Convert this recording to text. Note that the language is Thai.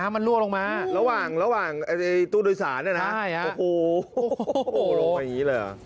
มันร่วงมาอย่างระหว่างไอ้ตู้ดวยศาแทนนะโอ้โอโหหลงไปนี้เลยอ่ะ